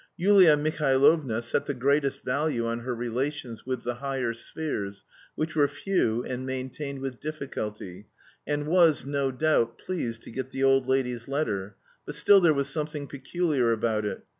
Yulia Mihailovna set the greatest value on her relations with the "higher spheres," which were few and maintained with difficulty, and was, no doubt, pleased to get the old lady's letter, but still there was something peculiar about it.